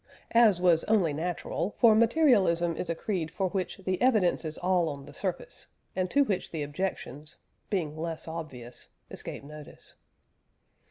As was only natural, for materialism is a creed for which the evidence is all on the surface, and to which the objections, being less obvious, escape notice.